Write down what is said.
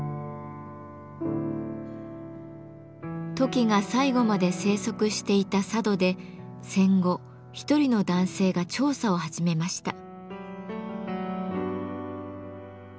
トキが最後まで生息していた佐渡で戦後１人の男性が調査を始めました。